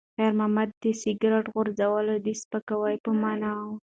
خیر محمد ته د سګرټ غورځول د سپکاوي په مانا و.